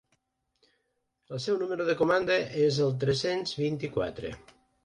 El seu número de comanda és el tres-cents vint-i-quatre.